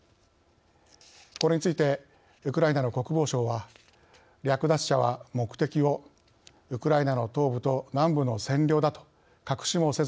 これについてウクライナの国防省は「略奪者は目的をウクライナの東部と南部の占領だと隠しもせずに認めた。